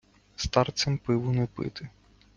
старцям пиво не пити